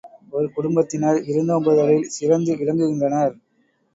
ஒரு குடும்பத்தினர் விருந்தோம்புதலில் சிறந்து விளங்குகின்றனர்.